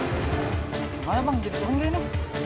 gimana bang jadi orangnya ini